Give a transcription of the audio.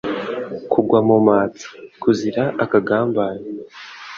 Kugwa mu matsa kuzira akagambane